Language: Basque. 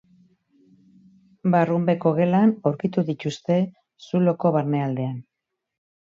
Barrunbeko gelan aurkitu dituzte, zuloko barnealdean.